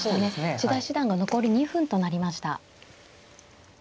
千田七段が残り２分となりました。